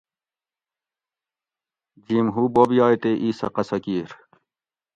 جھیم ھو بوب یائ تے ایسہ قصہ کِیر